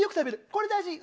これ大事。